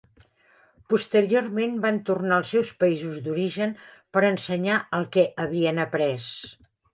Posteriorment, van tornar als seus països d'origen per ensenyar el que havien après.